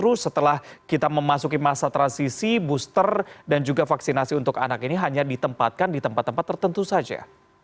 terus setelah kita memasuki masa transisi booster dan juga vaksinasi untuk anak ini hanya ditempatkan di tempat tempat tertentu saja